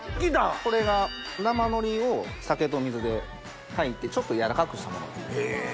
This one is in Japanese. これが生海苔を酒と水で炊いてちょっとやわらかくしたもの。